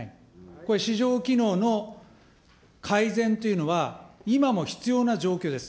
これ、市場機能の改善というのは、今も必要な状況です。